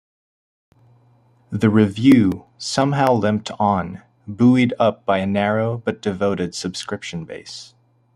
The "Review" somehow limped on, buoyed up by a narrow but devoted subscription base.